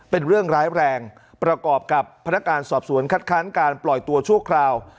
เป็นเรื่องร้ายแรงประกอบกับพนักการสอบสวนคัดค้านการปล่อยตัวชั่วคราว